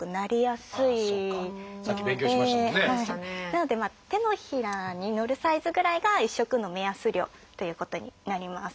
なので手のひらに乗るサイズぐらいが一食の目安量ということになります。